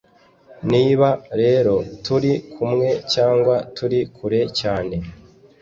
niba rero turi kumwe cyangwa turi kure cyane.